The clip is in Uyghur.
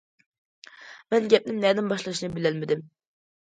مەن گەپنى نەدىن باشلاشنى بىلەلمىدىم.